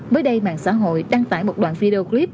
mới đây mạng xã hội đăng tải một đoạn video clip